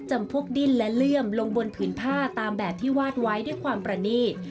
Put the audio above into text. จำพวกดิ้นและเลื่อมลงบนผืนผ้าตามแบบที่วาดไว้ด้วยความประนีต